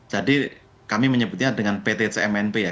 jadi kami menyebutnya dengan pt cmnp ya